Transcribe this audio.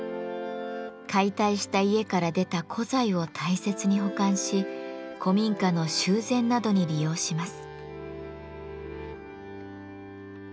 解体した家から出た古材を大切に保管し古民家の修繕などに利用します。